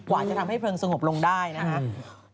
อาจจะทำให้เพลิงสงบลงได้นะครับ